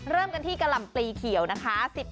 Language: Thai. เริ่มกันที่กะหล่ำปลีเขียวนะคะ